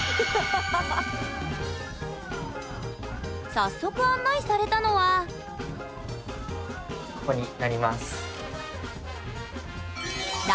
早速案内されたのはここになります。